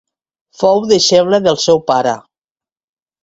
Fou deixeble del seu pare.